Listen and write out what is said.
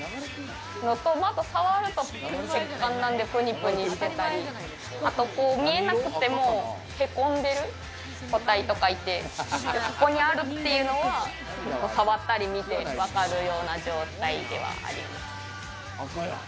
あと触るとプニプニしてたり、見えなくてもへこんでる個体とかいて、そこにあるというのは、触ったり見て分かるような状態ではあります。